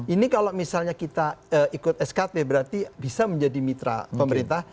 ini kalau misalnya kita ikut skt berarti bisa menjadi mitra pemerintah